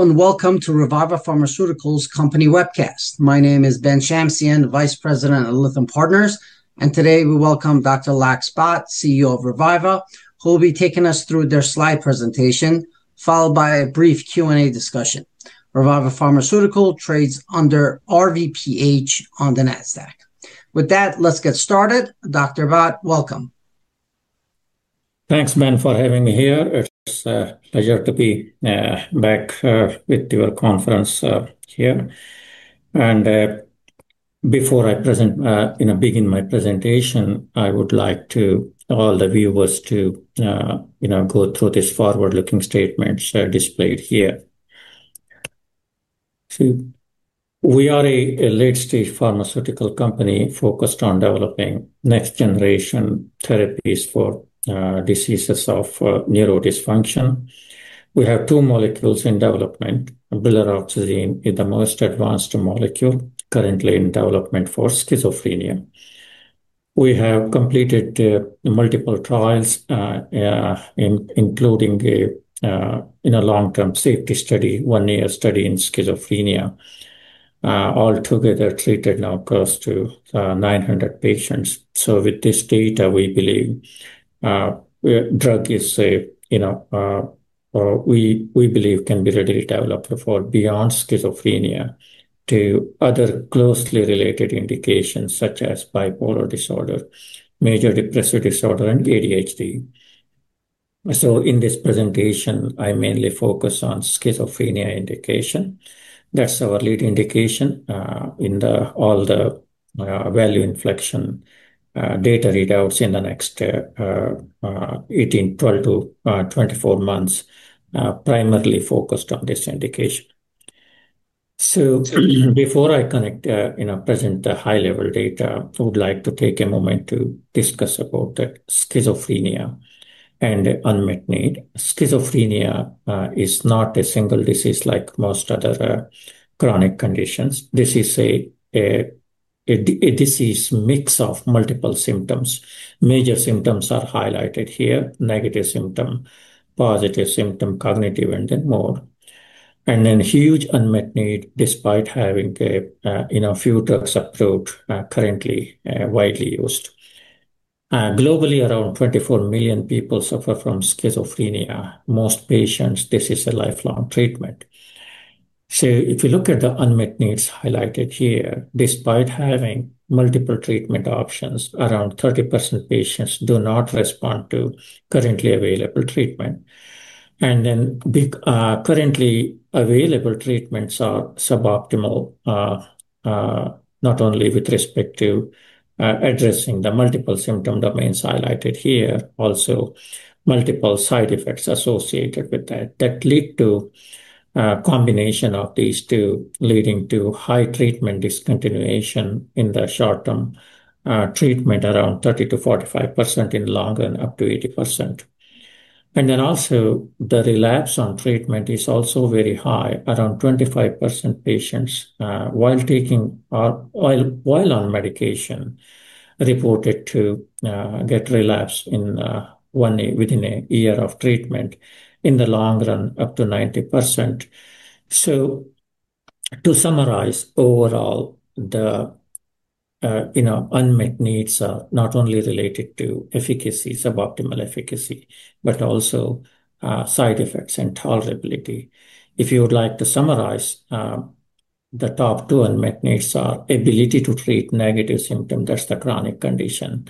Hello and welcome to Reviva Pharmaceuticals Company Webcast. My name is Ben Shamsian, Vice President at Lithium Partners, and today we welcome Dr. Lax Bhat, CEO of Reviva, who will be taking us through their slide presentation, followed by a brief Q&A discussion. Reviva Pharmaceuticals trades under RVPH on the Nasdaq. With that, let's get started. Dr. Bhat, welcome. Thanks, Ben, for having me here. It's a pleasure to be back with your conference here. Before I begin my presentation, I would like all the viewers to go through these forward-looking statements displayed here. We are a late-stage pharmaceutical company focused on developing next-generation therapies for diseases of neurodysfunction. We have two molecules in development. Brilaroxazine is the most advanced molecule currently in development for schizophrenia. We have completed multiple trials, including a long-term safety study, one-year study in schizophrenia, altogether treated now close to 900 patients. So with this data, we believe the drug can be readily developed for beyond schizophrenia to other closely related indications such as bipolar disorder, major depressive disorder, and ADHD. So in this presentation, I mainly focus on schizophrenia indication. That's our lead indication in all the value inflection data readouts in the next 18, 12, to 24 months, primarily focused on this indication. So before I present the high-level data, I would like to take a moment to discuss about schizophrenia and unmet need. Schizophrenia is not a single disease like most other chronic conditions. This is a disease mix of multiple symptoms. Major symptoms are highlighted here: negative symptom, positive symptom, cognitive, and then more. And then huge unmet need despite having a few drugs approved currently widely used. Globally, around 24 million people suffer from schizophrenia. Most patients, this is a lifelong treatment. So if you look at the unmet needs highlighted here, despite having multiple treatment options, around 30% of patients do not respond to currently available treatment. And then currently available treatments are suboptimal, not only with respect to addressing the multiple symptom domains highlighted here, but also multiple side effects associated with that that lead to a combination of these two, leading to high treatment discontinuation in the short-term treatment, around 30%-45% in long run, up to 80%. And then also the relapse on treatment is also very high, around 25% of patients while taking or while on medication reported to get relapse within a year of treatment in the long run, up to 90%. So to summarize overall, the unmet needs are not only related to efficacy, suboptimal efficacy, but also side effects and tolerability. If you would like to summarize, the top two unmet needs are ability to treat negative symptoms, that's the chronic condition,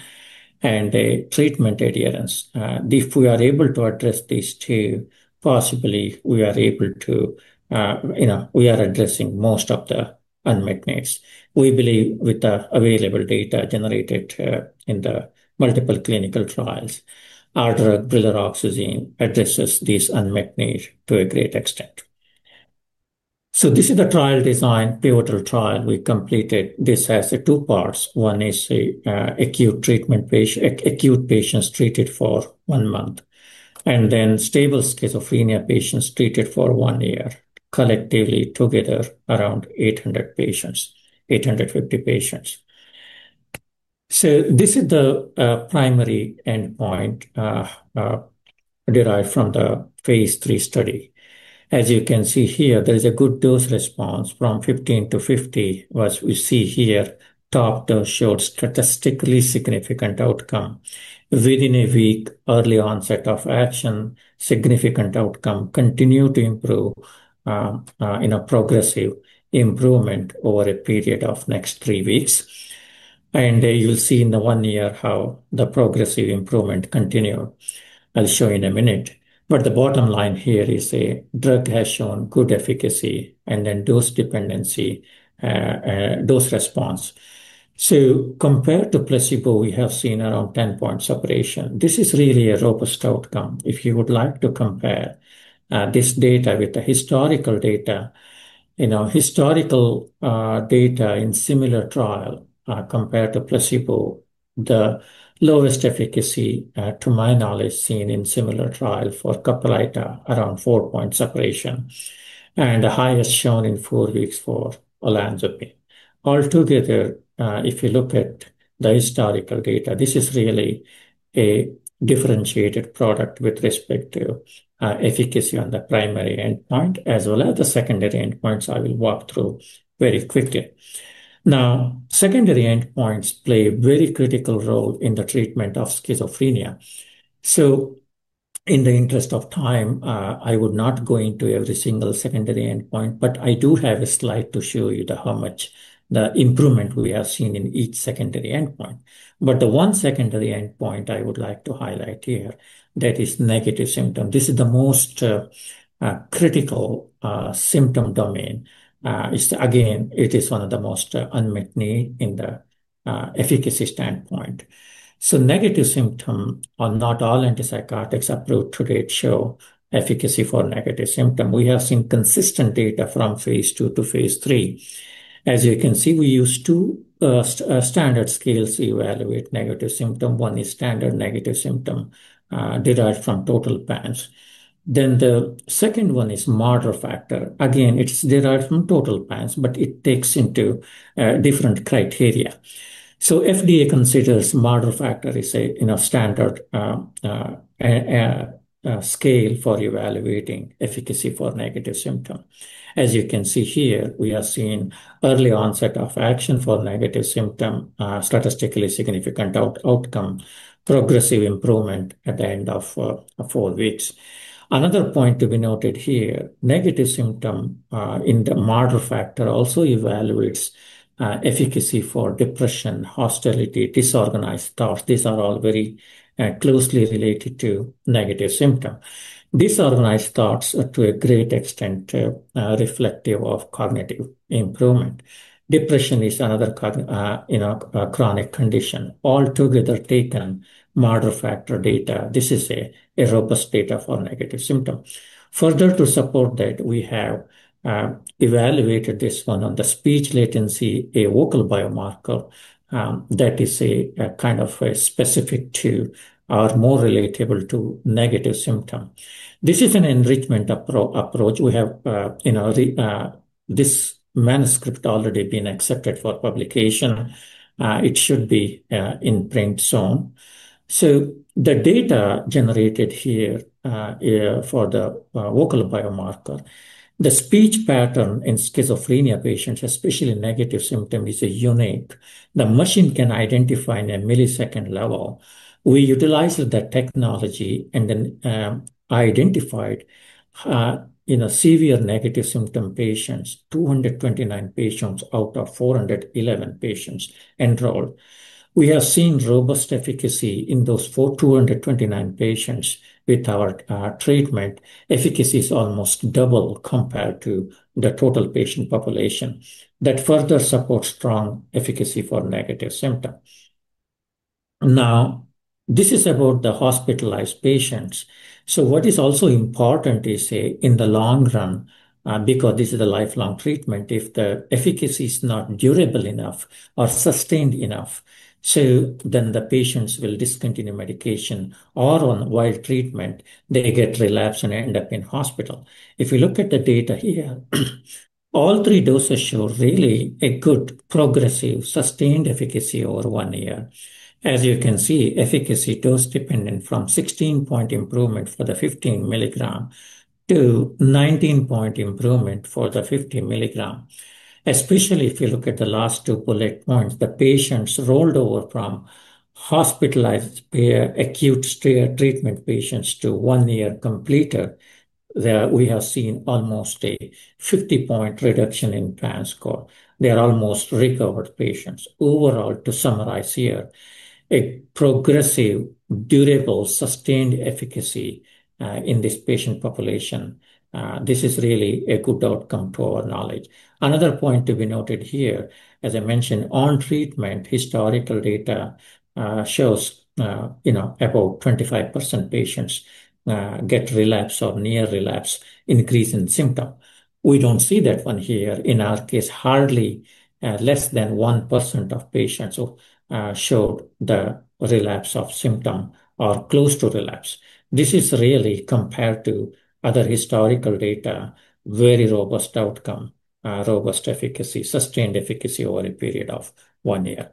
and treatment adherence. If we are able to address these two, possibly we are able to, we are addressing most of the unmet needs. We believe with the available data generated in the multiple clinical trials, our drug, brilaroxazine, addresses this unmet need to a great extent. So this is a trial design, pivotal trial we completed. This has two parts. One is acute patients treated for one month, and then stable schizophrenia patients treated for one year, collectively together around 800 patients, 850 patients. So this is the primary endpoint derived from the phase three study. As you can see here, there is a good dose response from 15 to 50, as we see here, top the short statistically significant outcome within a week, early onset of action, significant outcome, continue to improve in a progressive improvement over a period of next three weeks. You'll see in the one year how the progressive improvement continues. I'll show you in a minute. The bottom line here is a drug has shown good efficacy and then dose dependency, dose response. Compared to placebo, we have seen around 10 points separation. This is really a robust outcome. If you would like to compare this data with the historical data, historical data in similar trial compared to placebo, the lowest efficacy, to my knowledge, seen in similar trial for Caplyta, around four points separation, and the highest shown in four weeks for olanzapine. Altogether, if you look at the historical data, this is really a differentiated product with respect to efficacy on the primary endpoint, as well as the secondary endpoints I will walk through very quickly. Now, secondary endpoints play a very critical role in the treatment of schizophrenia. So in the interest of time, I would not go into every single secondary endpoint, but I do have a slide to show you how much the improvement we have seen in each secondary endpoint. But the one secondary endpoint I would like to highlight here that is negative symptom. This is the most critical symptom domain. Again, it is one of the most unmet needs in the efficacy standpoint. So negative symptom, not all antipsychotics approved to date show efficacy for negative symptom. We have seen consistent data from phase two to phase three. As you can see, we use two standard scales to evaluate negative symptom. One is standard negative symptom derived from total PANSS. Then the second one is Marder factor. Again, it's derived from total PANSS, but it takes into different criteria. So, FDA considers Marder factor is a standard scale for evaluating efficacy for negative symptom. As you can see here, we have seen early onset of action for negative symptom, statistically significant outcome, progressive improvement at the end of four weeks. Another point to be noted here, negative symptom in the Marder factor also evaluates efficacy for depression, hostility, disorganized thoughts. These are all very closely related to negative symptom. Disorganized thoughts to a great extent reflective of cognitive improvement. Depression is another chronic condition. Altogether taken Marder factor data, this is a robust data for negative symptom. Further to support that, we have evaluated this one on the speech latency, a vocal biomarker that is kind of specific to or more relatable to negative symptom. This is an enrichment approach. We have this manuscript already been accepted for publication. It should be in print soon. So the data generated here for the vocal biomarker, the speech pattern in schizophrenia patients, especially negative symptom, is unique. The machine can identify in a millisecond level. We utilized the technology and then identified severe negative symptom patients, 229 patients out of 411 patients enrolled. We have seen robust efficacy in those 229 patients with our treatment. Efficacy is almost double compared to the total patient population that further supports strong efficacy for negative symptoms. Now, this is about the hospitalized patients. So what is also important is in the long run, because this is a lifelong treatment, if the efficacy is not durable enough or sustained enough, so then the patients will discontinue medication or on while treatment, they get relapse and end up in hospital. If you look at the data here, all three doses show really a good progressive sustained efficacy over one year. As you can see, efficacy dose dependent from 16-point improvement for the 15 milligram to 19-point improvement for the 50 milligram. Especially if you look at the last two bullet points, the patients rolled over from hospitalized acute treatment patients to one-year completer. We have seen almost a 50-point reduction in PANSS score. They are almost recovered patients. Overall, to summarize here, a progressive, durable, sustained efficacy in this patient population. This is really a good outcome to our knowledge. Another point to be noted here, as I mentioned, on treatment, historical data shows about 25% of patients get relapse or near relapse, increase in symptom. We don't see that one here. In our case, hardly less than 1% of patients showed the relapse of symptom or close to relapse. This is really compared to other historical data, very robust outcome, robust efficacy, sustained efficacy over a period of one year.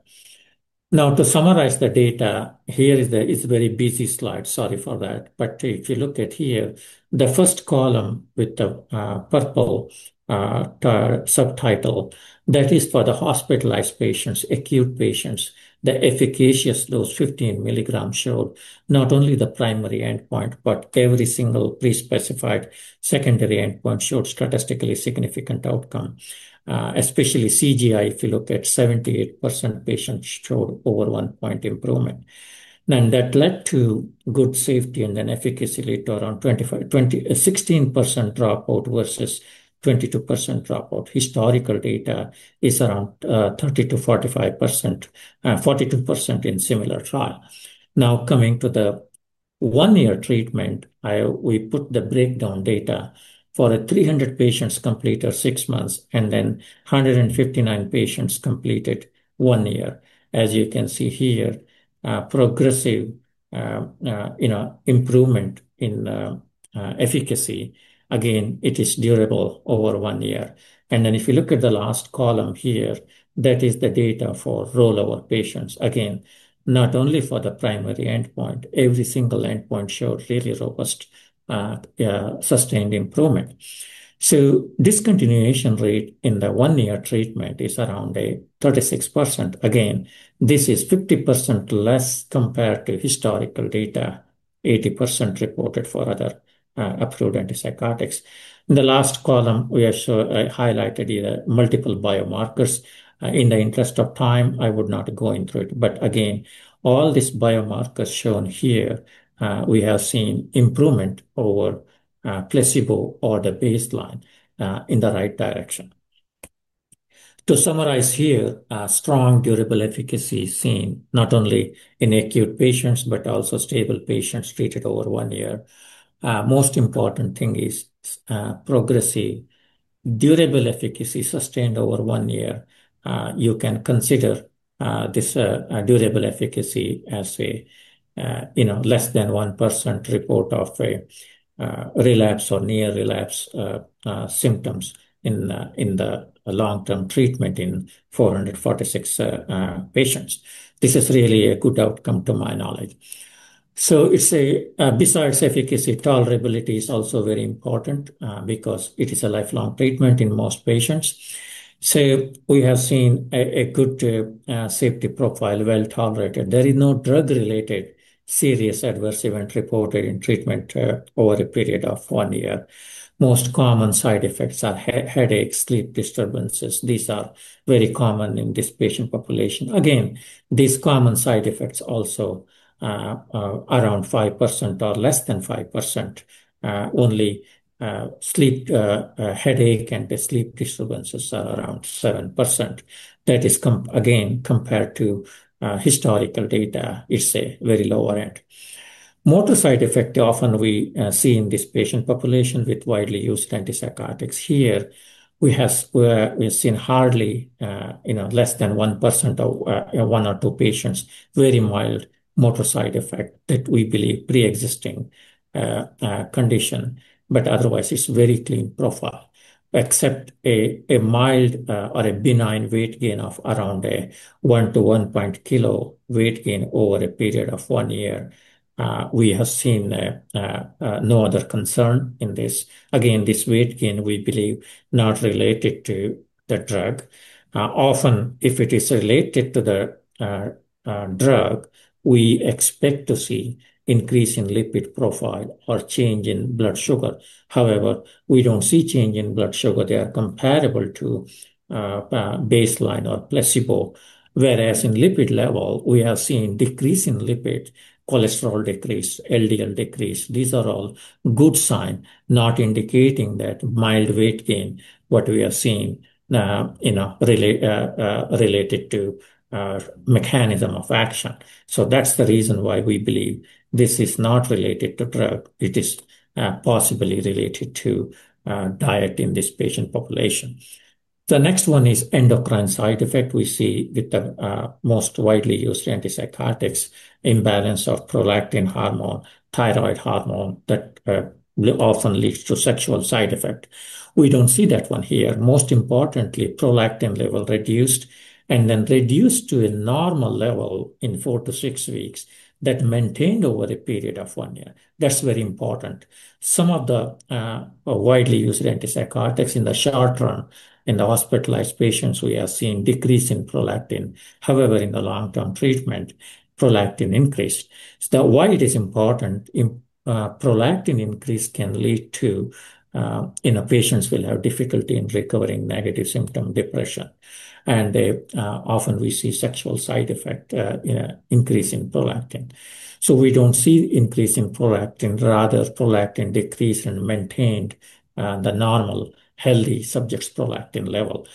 Now, to summarize the data, here is a very busy slide. Sorry for that, but if you look at here, the first column with the purple subtitle, that is for the hospitalized patients, acute patients, the efficacious dose 15 milligram showed not only the primary endpoint, but every single pre-specified secondary endpoint showed statistically significant outcome, especially CGI. If you look at, 78% patients showed over one-point improvement, and that led to good safety and then efficacy led to around 16% dropout versus 22% dropout. Historical data is around 30%-45%, 42% in similar trial. Now, coming to the one-year treatment, we put the breakdown data for 300 patients completed six months and then 159 patients completed one year. As you can see here, progressive improvement in efficacy. Again, it is durable over one year, and then if you look at the last column here, that is the data for rollover patients. Again, not only for the primary endpoint, every single endpoint showed really robust sustained improvement, so discontinuation rate in the one-year treatment is around 36%. Again, this is 50% less compared to historical data, 80% reported for other approved antipsychotics. In the last column, we have highlighted multiple biomarkers. In the interest of time, I would not go into it, but again, all these biomarkers shown here, we have seen improvement over placebo or the baseline in the right direction. To summarize here, strong, durable efficacy seen not only in acute patients, but also stable patients treated over one year. Most important thing is progressive durable efficacy sustained over one year. You can consider this durable efficacy as less than 1% report of relapse or near relapse symptoms in the long-term treatment in 446 patients. This is really a good outcome to my knowledge. So besides efficacy, tolerability is also very important because it is a lifelong treatment in most patients. So we have seen a good safety profile, well tolerated. There is no drug-related serious adverse event reported in treatment over a period of one year. Most common side effects are headaches, sleep disturbances. These are very common in this patient population. Again, these common side effects also around 5% or less than 5%. Only sleep headache and sleep disturbances are around 7%. That is, again, compared to historical data, it's a very lower end. Motor side effect often we see in this patient population with widely used antipsychotics. Here, we have seen hardly less than 1% of one or two patients, very mild motor side effect that we believe pre-existing condition. But otherwise, it's very clean profile, except a mild or a benign weight gain of around 1-1.5 kilo weight gain over a period of one year. We have seen no other concern in this. Again, this weight gain, we believe, not related to the drug. Often, if it is related to the drug, we expect to see increase in lipid profile or change in blood sugar. However, we don't see change in blood sugar. They are comparable to baseline or placebo. Whereas in lipid level, we have seen decrease in lipid, cholesterol decrease, LDL decrease. These are all good signs, not indicating that mild weight gain, what we have seen related to mechanism of action. So that's the reason why we believe this is not related to drug. It is possibly related to diet in this patient population. The next one is endocrine side effect. We see with the most widely used antipsychotics, imbalance of prolactin hormone, thyroid hormone that often leads to sexual side effect. We don't see that one here. Most importantly, prolactin level reduced and then reduced to a normal level in four to six weeks that maintained over a period of one year. That's very important. Some of the widely used antipsychotics in the short term, in the hospitalized patients, we have seen decrease in prolactin. However, in the long-term treatment, prolactin increased. So why it is important, prolactin increase can lead to patients will have difficulty in recovering negative symptom depression. And often we see sexual side effect increase in prolactin. We don't see increase in prolactin, rather prolactin decreased and maintained the normal healthy subject's prolactin level.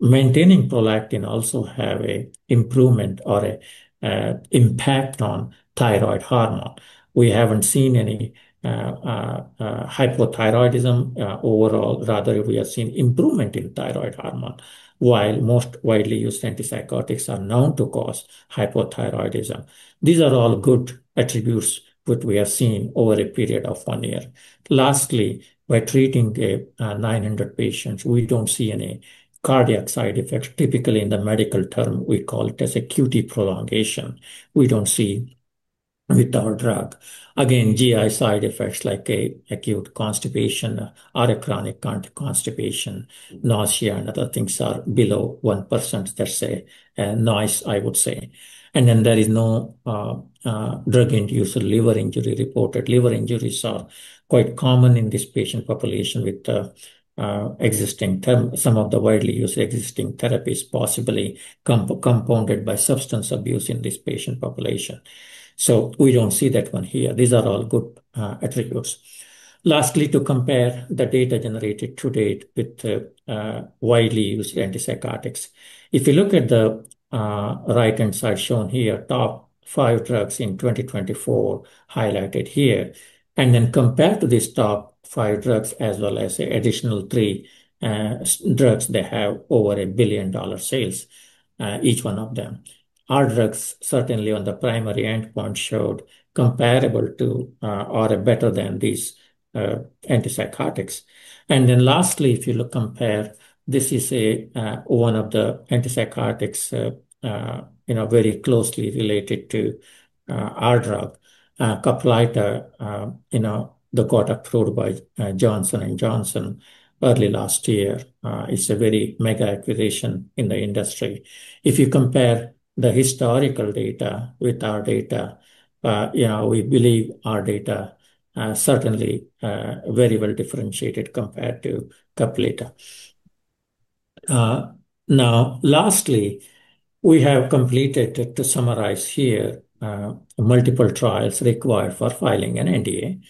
Maintaining prolactin also have an improvement or an impact on thyroid hormone. We haven't seen any hypothyroidism overall. Rather, we have seen improvement in thyroid hormone, while most widely used antipsychotics are known to cause hypothyroidism. These are all good attributes that we have seen over a period of one year. Lastly, by treating 900 patients, we don't see any cardiac side effects. Typically, in the medical term, we call it as QTc prolongation. We don't see with our drug. Again, GI side effects like acute constipation or a chronic constipation, nausea, and other things are below 1%, let's say, noise, I would say. There is no drug-induced liver injury reported. Liver injuries are quite common in this patient population with some of the widely used existing therapies, possibly compounded by substance abuse in this patient population. So we don't see that one here. These are all good attributes. Lastly, to compare the data generated to date with the widely used antipsychotics, if you look at the right-hand side shown here, top five drugs in 2024 highlighted here, and then compare to these top five drugs as well as additional three drugs, they have over $1 billion in sales, each one of them. Our drugs, certainly on the primary endpoint, showed comparable to or better than these antipsychotics. And then lastly, if you look compare, this is one of the antipsychotics very closely related to our drug, Caplyta, that got approved by Johnson & Johnson early last year. It's a very mega acquisition in the industry. If you compare the historical data with our data, we believe our data certainly very well differentiated compared to Caplyta. Now, lastly, we have completed, to summarize here, multiple trials required for filing an NDA,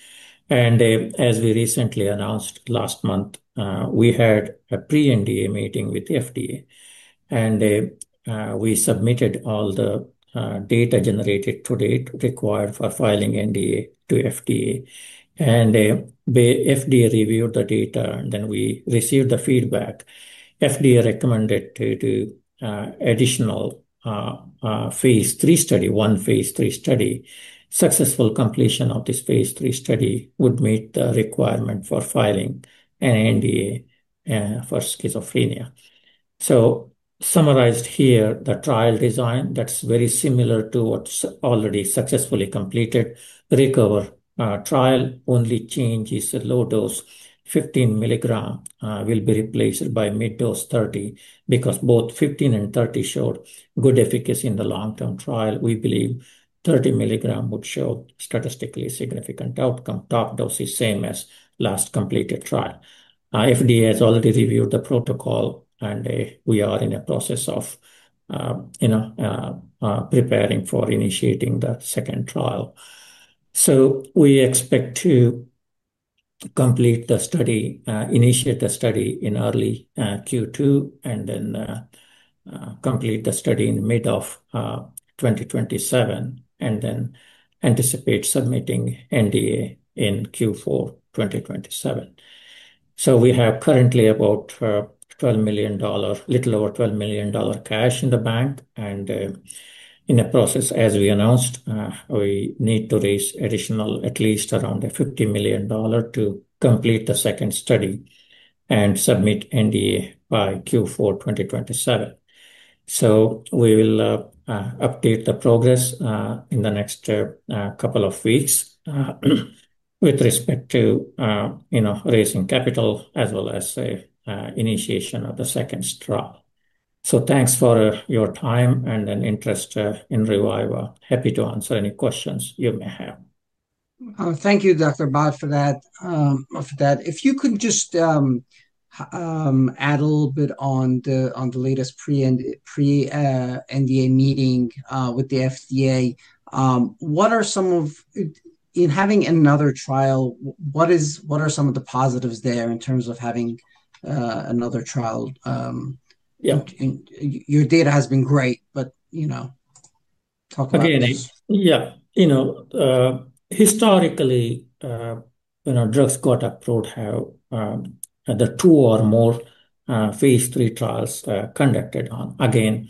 and as we recently announced last month, we had a pre-NDA meeting with the FDA, and we submitted all the data generated to date required for filing NDA to FDA, and the FDA reviewed the data, and then we received the feedback. The FDA recommended to do additional phase three study, one phase three study. Successful completion of this phase three study would meet the requirement for filing an NDA for schizophrenia, so summarized here, the trial design that's very similar to what's already successfully completed, RECOVER trial, only change is a low dose, 15 milligram will be replaced by mid-dose 30 because both 15 and 30 showed good efficacy in the long-term trial. We believe 30 milligram would show statistically significant outcome. Top dose is same as last completed trial. FDA has already reviewed the protocol, and we are in a process of preparing for initiating the second trial. So we expect to initiate the study in early Q2, and then complete the study in mid of 2027, and then anticipate submitting NDA in Q4 2027. So we have currently about a little over $12 million cash in the bank. And in the process, as we announced, we need to raise additional at least around $50 million to complete the second study and submit NDA by Q4 2027. So we will update the progress in the next couple of weeks with respect to raising capital as well as initiation of the second trial. So thanks for your time and interest in Reviva. Happy to answer any questions you may have. Thank you, Dr. Bhat, for that. If you could just add a little bit on the latest pre-NDA meeting with the FDA, what are some of in having another trial? What are some of the positives there in terms of having another trial? Your data has been great, but talk about this. Yeah. Historically, drugs got approved, the two or more phase three trials conducted on. Again,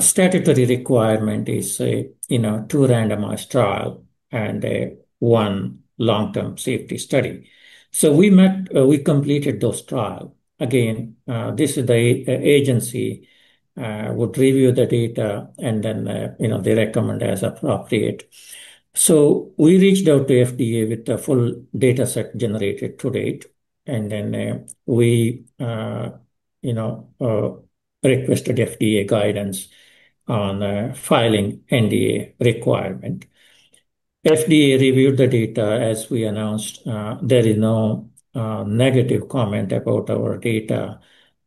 statutory requirement is two randomized trials and one long-term safety study so we completed those trials. Again, the agency would review the data, and then they recommend as appropriate so we reached out to FDA with the full dataset generated to date and then we requested FDA guidance on filing NDA requirement. FDA reviewed the data as we announced. There is no negative comment about our data.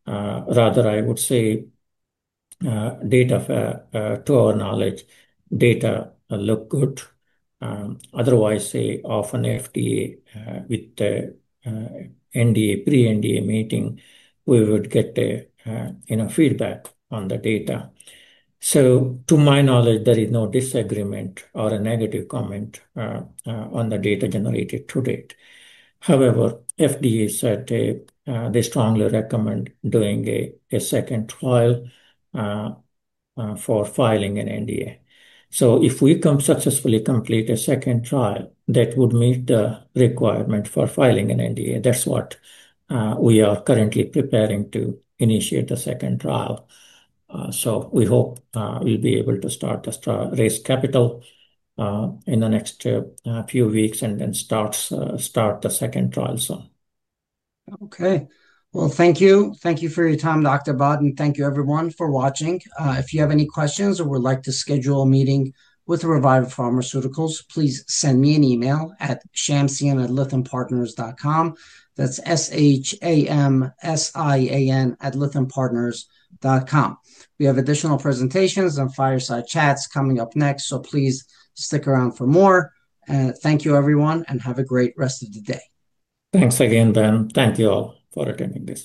Rather, I would say, to our knowledge, data look good. Otherwise, often the FDA with the pre-NDA meeting, we would get feedback on the data. So to my knowledge, there is no disagreement or a negative comment on the data generated to date. However, the FDA said they strongly recommend doing a second trial for filing an NDA. So if we can successfully complete a second trial, that would meet the requirement for filing an NDA. That is what we are currently preparing to initiate the second trial. So we hope we will be able to start to raise capital in the next few weeks and then start the second trial soon. Okay. Well, thank you. Thank you for your time, Dr. Bhat, and thank you, everyone, for watching. If you have any questions or would like to schedule a meeting with Reviva Pharmaceuticals, please send me an email at shamsian@lithiumpartners.com. That is shamsian@lithiumpartners.com. We have additional presentations and fireside chats coming up next, so please stick around for more. Thank you, everyone, and have a great rest of the day. Thanks again, Ben. Thank you all for attending this.